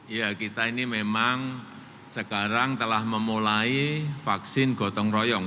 ya kita ini memang sekarang telah memulai vaksin gotong royong